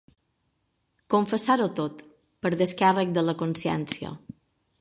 Confessar-ho tot, per descàrrec de la consciència.